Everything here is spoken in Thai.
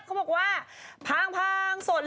เขาบอกว่าพังส่วนเลยค่ะ